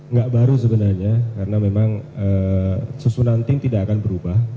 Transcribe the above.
nggak baru sebenarnya karena memang susunan tim tidak akan berubah